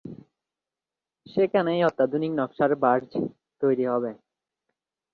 সেখানেই অত্যাধুনিক নকশার বার্জ তৈরি হবে।